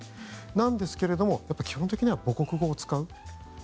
なんですけれども基本的には母国語を使う。